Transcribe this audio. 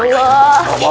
tidak ya allah